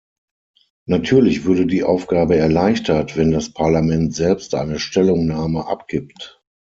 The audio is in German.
Natürlich würde die Aufgabe erleichtert, wenn das Parlament selbst eine Stellungnahme abgibt.